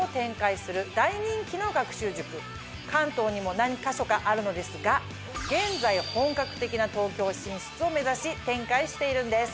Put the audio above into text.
関東にも何か所かあるのですが現在本格的な東京進出を目指し展開しているんです。